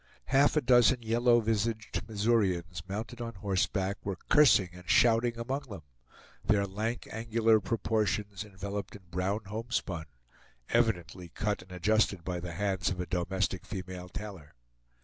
Half a dozen yellow visaged Missourians, mounted on horseback, were cursing and shouting among them; their lank angular proportions enveloped in brown homespun, evidently cut and adjusted by the hands of a domestic female tailor.